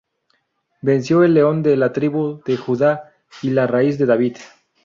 Venció el león de la tribu de Judá y la raíz de David.